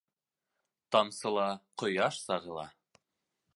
Тамсыла ҡояш сағыла.